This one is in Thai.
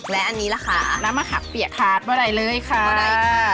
และอันนี้ล่ะคะน้ำมะขับเปียกค่ะพอได้เลยค่ะค่ะ